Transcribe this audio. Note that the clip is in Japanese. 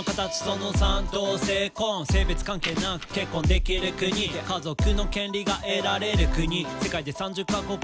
「性別関係なく結婚できる国」「家族の権利が得られる国」「世界で３０カ国以上」